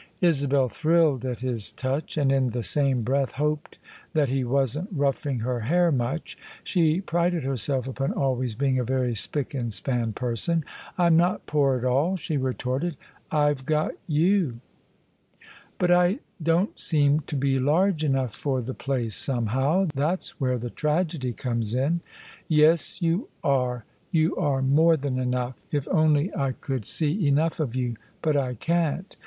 Isabel thrilled at his touch, and in the same breath hoped that he wasn't roughing her hair much: she prided herself upon always being a very spick and span person. " I'm not poor at all," she retorted :" I've got you!' " But I don't seem to be large enough for the place some how. That's where the tragedy comes in." " Yes, you are : you are more than enough, if only I could see enough of you: but I can't.